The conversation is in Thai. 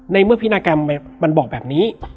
ในเมื่อพินากรรมมันบอกแบบนี้